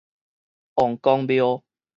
王公廟